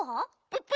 ププ！